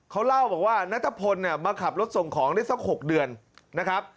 เขาเล่าบอกว่านัทพลมาขับรถส่งของได้สัก๖เดือนนะครับ